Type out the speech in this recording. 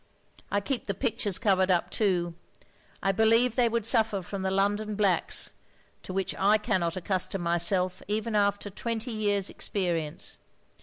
I keep the pictures covered up too. I believe they would suffer from the London blacks, to which I cannot accustom myself even after twenty years' experience.